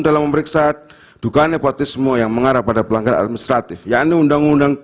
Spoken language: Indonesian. dalam memeriksa dugaan nepotisme yang mengarah pada pelanggaran administratif yaitu undang undang